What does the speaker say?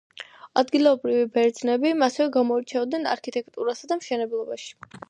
ადგილობრივი ბერძნები ასევე გამოირჩეოდნენ არქიტექტურასა და მშენებლობაში.